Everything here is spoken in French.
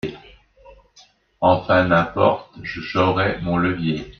Enfin, n'importe ! J'aurai mon levier.